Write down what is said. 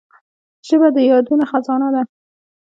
ژبه د یادونو خزانه ده